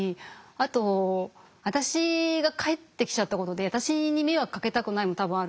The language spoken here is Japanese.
あと私が帰ってきちゃったことで私に迷惑かけたくないも多分あるし。